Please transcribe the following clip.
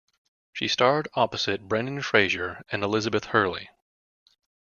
She starred opposite Brendan Fraser and Elizabeth Hurley.